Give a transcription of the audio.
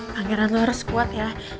pangeran lo harus kuat ya